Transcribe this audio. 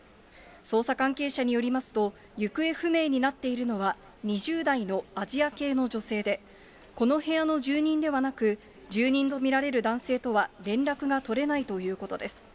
捜査関係者によりますと、行方不明になっているのは２０代のアジア系の女性で、この部屋の住人ではなく、住人と見られる男性とは連絡が取れないということです。